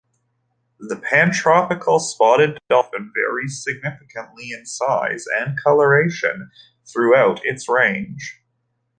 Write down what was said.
The pantropical spotted dolphin varies significantly in size and coloration throughout its range.